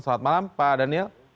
selamat malam pak daniel